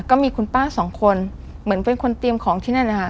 ก็มีคุณป้าสองคนเหมือนเป็นคนเตรียมของที่นั่นนะคะ